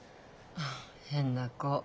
あっ変な子。